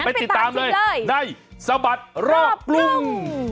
ไปติดตามเลยในสบัดรอบกรุง